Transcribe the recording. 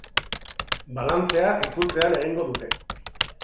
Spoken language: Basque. Balantzea itzultzean egingo dute.